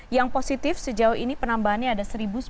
yang positif sejauh ini penambahannya ada satu sembilan ratus dua puluh dua